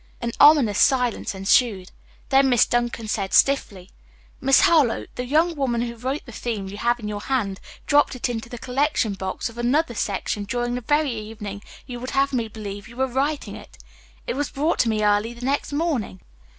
An ominous silence ensued. Then Miss Duncan said stiffly: "Miss Harlowe, the young woman who wrote the theme you have in your hand dropped it into the collection box of another section during the very evening you would have me believe you were writing it. It was brought to me early the next morning."